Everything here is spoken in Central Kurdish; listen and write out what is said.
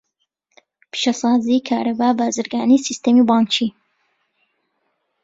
پیشەسازی، کارەبا، بازرگانی، سیستەمی بانکی.